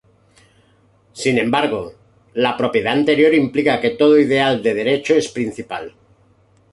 Sin embargo, la propiedad anterior implica que todo ideal de derecho es principal.